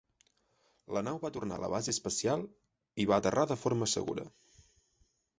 La nau va tornar a la base espacial i va aterrar de forma segura.